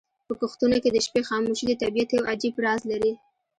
په کښتونو کې د شپې خاموشي د طبیعت یو عجیب راز لري.